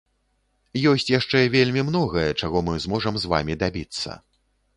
Ёсць яшчэ вельмі многае, чаго мы зможам з вамі дабіцца.